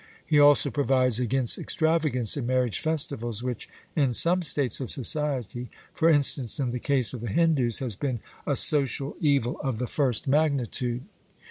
He also provides against extravagance in marriage festivals, which in some states of society, for instance in the case of the Hindoos, has been a social evil of the first magnitude.